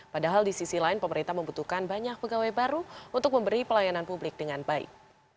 padahal di sisi lain pemerintah membutuhkan banyak pegawai baru untuk memberi pelayanan publik dengan baik